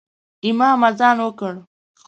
امام اذان وکړ